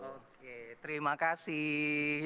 oke terima kasih